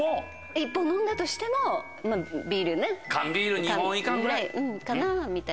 １本飲んだとしてもビールね。ぐらいかなぁみたいな。